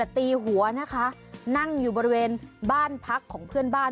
ตีหัวนะคะนั่งอยู่บริเวณบ้านพักของเพื่อนบ้าน